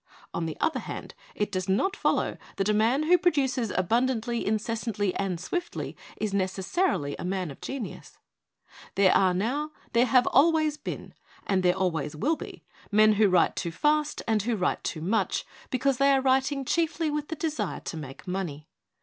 On the other hand, it does not follow that a man who produces abundantly, incessantly and swiftly is necessarily a man of genius. There are now, there always have been and there always will be, men who write too fast and who write too much, because they are writing chiefly with a desire to make money.